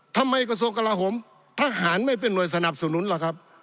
ทำไมกระทรวงกราโหมทหารไม่เป็นหน่วยสนับสนุนเหรอครับ